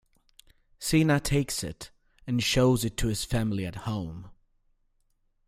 Seina takes it, and shows it to his family at home.